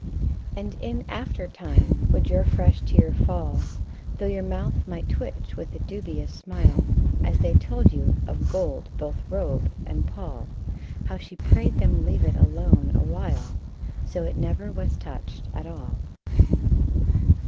And in after time would your fresh tear fall, Though your mouth might twitch with a dubi ous smile, As they told you of gold, both robe and pall, How she prayed them leave it alone awhile, So it never was touched at all.